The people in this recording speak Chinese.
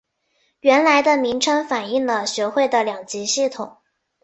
原来的名称反应了学会的两级系统。